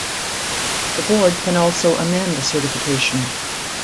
The Board can also amend a certification.